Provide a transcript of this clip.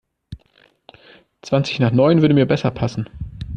Zwanzig nach neun würde mir besser passen.